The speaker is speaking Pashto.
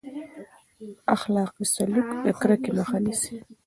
اخلاقي سلوک د کرکې مخه نیسي.